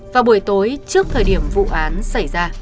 vào buổi tối trước thời điểm vụ án xảy ra